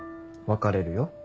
別れるよ。